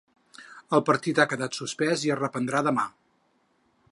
El partit ha quedat suspès i es reprendrà demà.